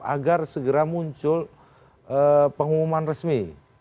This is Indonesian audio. agar segera muncul pengumuman resmi